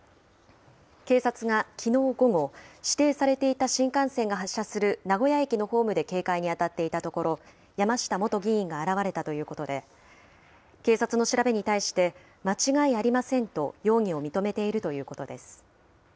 警察がきのう午後、指定されていた新幹線が発車する名古屋駅のホームで警戒に当たっていたところ、山下元議員が現れたということで、警察の調べに対して、間違いありませんと容疑を認めているということです。